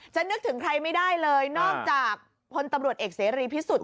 นึกถึงใครไม่ได้เลยนอกจากพลตำรวจเอกเสรีพิสุทธิ์